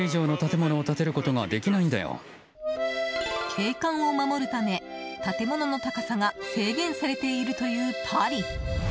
景観を守るため、建物の高さが制限されているというパリ。